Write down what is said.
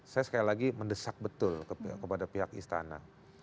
saya sekali lagi mendesak betul kepada pihak istana